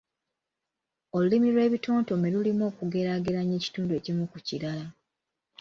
Olulimi lw'ebitontome lulimu okugeraageranya ekintu ekimu ku kirala.